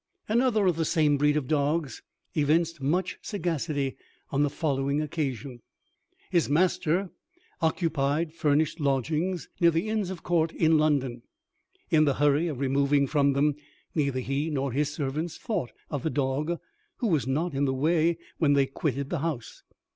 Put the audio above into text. Another of the same breed of dogs evinced much sagacity on the following occasion: His master occupied furnished lodgings near the Inns of Court in London. In the hurry of removing from them, neither he nor his servants thought of the dog, who was not in the way when they quitted the house.